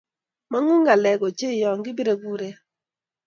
mangu ngalechu ochei yo kibirei kuret